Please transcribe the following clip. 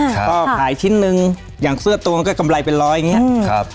ก็ขายชิ้นนึงอย่างเสื้อตัวก็จะกำไรเป็นร้อยอย่างนี้